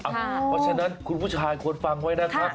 เพราะฉะนั้นคุณผู้ชายควรฟังไว้นะครับ